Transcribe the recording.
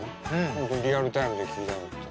本当にリアルタイムで聴いたのって。